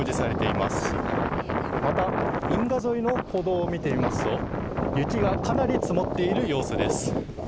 また、運河沿いの歩道を見てみますと、雪がかなり積もっている様子です。